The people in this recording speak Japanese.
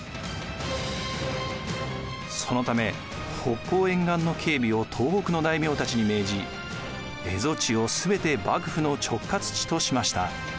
そのため北方沿岸の警備を東北の大名たちに命じ蝦夷地をすべて幕府の直轄地としました。